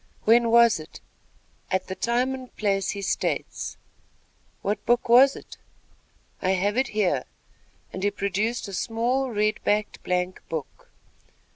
"When was it?" "At the time and place he states." "What book was it?" "I have it here," and he produced a small, red backed blank book.